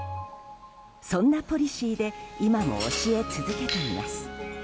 そんなポリシーで今も教え続けています。